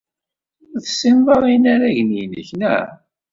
Ur tessineḍ ara inaragen-nnek, naɣ?